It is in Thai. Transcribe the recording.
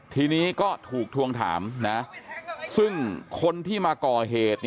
ทีนี้ก็ถูกทวงถามนะซึ่งคนที่มาก่อเหตุ